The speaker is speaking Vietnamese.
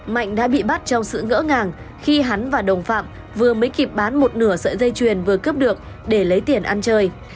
mạnh đã bị bắt trong sự ngỡ ngàng khi hắn và đồng phạm vừa mới kịp bán một nửa sợi dây chuyền vừa cướp được để lấy tiền ăn chơi